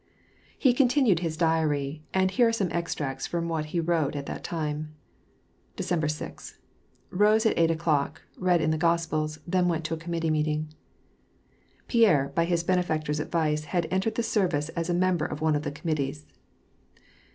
He continued bis diary, and here are some eztraets from what he wrote at that time :— December 6. — Rose at eight o'clock, read in the Gospels^ then went to a committee meeting — Pierre, by his Benefactor's advice, had entered the service as a member of one of the committees.